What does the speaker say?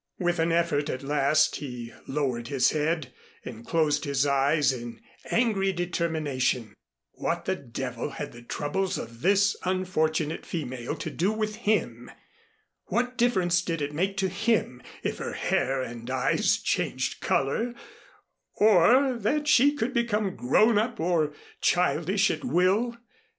With an effort, at last, he lowered his head and closed his eyes, in angry determination. What the devil had the troubles of this unfortunate female to do with him? What difference did it make to him if her hair and eyes changed color or that she could become grown up or childish at will?